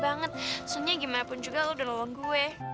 banget soalnya gimana pun juga lo udah lowong gue